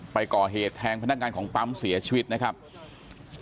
ไปก่อเหตุแทงพนักงานของปั๊มเสียชีวิตนะครับ